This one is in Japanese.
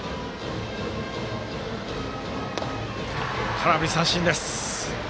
空振り三振です。